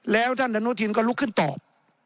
แล้วท่านอนุทินก็ลุกขึ้นตอบ